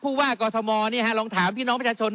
พูดว่ากอธมมณ์เนี่ยฮะลองถามพี่น้องประชาชน